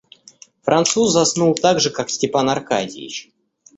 Француз заснул так же, как Степан Аркадьич.